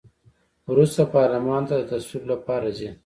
وروسته پارلمان ته د تصویب لپاره ځي.